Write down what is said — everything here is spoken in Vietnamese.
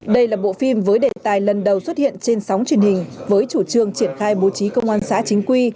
đây là bộ phim với đề tài lần đầu xuất hiện trên sóng truyền hình với chủ trương triển khai bố trí công an xã chính quy